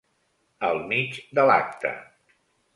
Al mig de l'acte.